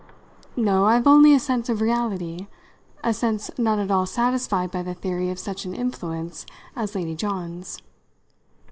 "No, I've only a sense of reality a sense not at all satisfied by the theory of such an influence as Lady John's."